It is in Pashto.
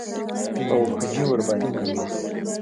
او پوجي ورباندي کوي.